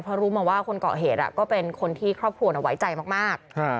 เพราะรู้มาว่าคนเกาะเหตุก็เป็นคนที่ครอบครัวไว้ใจมาก